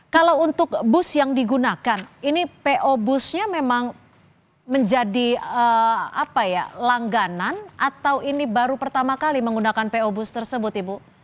kalau untuk bus yang digunakan ini po busnya memang menjadi langganan atau ini baru pertama kali menggunakan po bus tersebut ibu